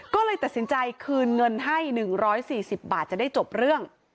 ก็เลยตัดสินใจคืนเงินให้๑๔๐บาทจะได้จบเรื่อง